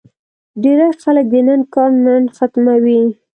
ډېری خلک د نن کار نن ختموي.